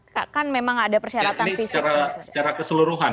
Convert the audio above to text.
kan memang ada persyaratan fisik